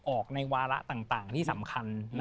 ออกในวาระต่างที่สำคัญ